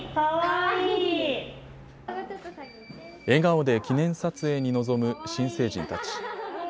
笑顔で記念撮影に臨む新成人たち。